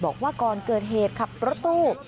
บอกว่าก่อนเกิดเหตุขับรถตู้